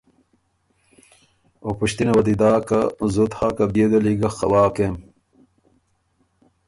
او پِشتِنه وه دی داک که ”زُت هۀ که بيې ده لی ګۀ خوا کېم؟“